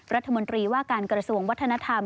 รัฐมนตรีว่าการกระทรวงวัฒนธรรม